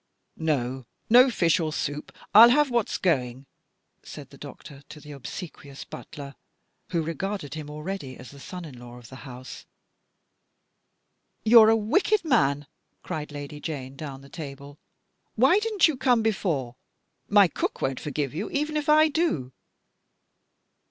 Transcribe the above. "No, no fish or soup. I'll have what's going," said the doctor to the obsequious butler, who regarded him already as the son in law of the house. " You're a wicked man," cried Lady Jane down the table. "Why didn't you come before ? My cook won't forgive you, even if I do."